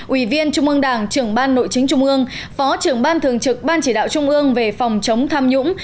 ủy viên trung ương đảng trưởng ban nội chính trung ương phó trưởng ban thường trực ban chỉ đạo trung ương về phòng chống tham nhũng